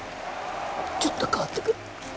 ちょっと代わってくれ。